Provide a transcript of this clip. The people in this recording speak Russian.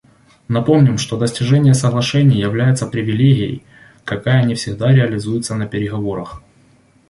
Напомним, что достижение соглашений является привилегией, какая не всегда реализуется на переговорах.